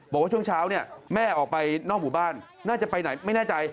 บอกว่าช่วงเช้าเนี่ยแม่ออกไปนอกหมู่บ้านน่าจะไปไหนไม่แน่ใจ